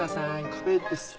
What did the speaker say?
壁です。